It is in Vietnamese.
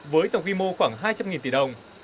với tổng quy mô khoảng hai trăm linh tỷ đồng